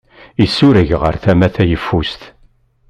Isureg ɣer tama tayeffust.